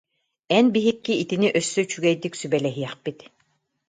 Эн биһикки итини өссө үчүгэйдик сүбэлэһиэхпит